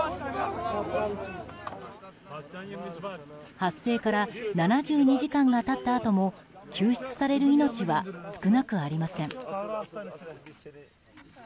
発生から７２時間が経ったあとも救出される命は少なくありません。